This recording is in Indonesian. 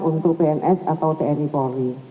untuk pns atau tni polri